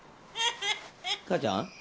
母ちゃん？